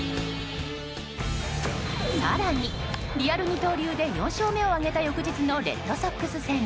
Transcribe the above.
更に、リアル二刀流で４勝目を挙げた翌日のレッドソックス戦。